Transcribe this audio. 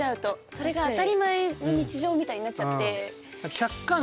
それが当たり前の日常みたいになっちゃって。